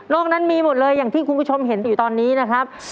นั้นมีหมดเลยอย่างที่คุณผู้ชมเห็นอยู่ตอนนี้นะครับ